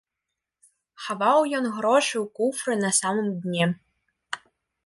Хаваў ён грошы ў куфры на самым дне.